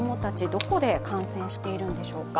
どこで感染しているんでしょうか。